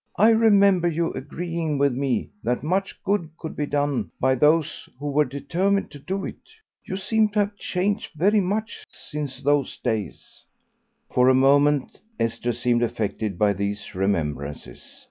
I remember you agreeing with me that much good could be done by those who were determined to do it. You seem to have changed very much since those days." For a moment Esther seemed affected by these remembrances.